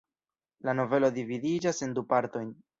La novelo dividiĝas en du partojn.